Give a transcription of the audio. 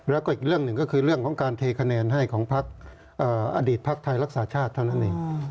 แล้วก็อีกเรื่องหนึ่งก็คือเรื่องของการเทคะแนนให้ของพักอดีตภักดิ์ไทยรักษาชาติเท่านั้นเอง